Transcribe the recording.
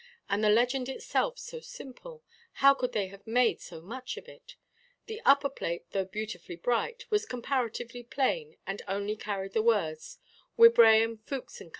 And the legend itself so simple, how could they have made so much of it? The upper plate, though beautifully bright, was comparatively plain, and only carried the words, "Wibraham, Fookes, and Co.